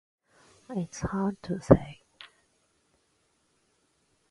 It's hard to say.